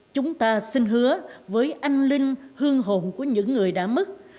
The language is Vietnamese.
chúng ta xin hứa với anh linh hương hồn của những người đã mất